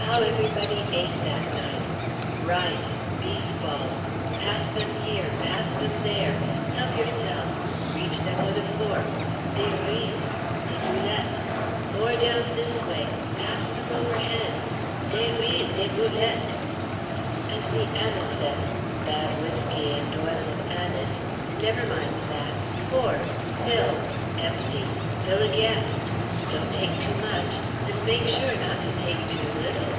How everybody ate, that night! Rice! beef balls! pass them here! pass them there! help yourself! reach them with a fork! des riz! des boulettes! more down this way! pass them over heads! des riz! des boulettes! And the anisette! bad whiskey and oil of anise never mind that; pour, fill, empty, fill again! Don't take too much and make sure not to take too little!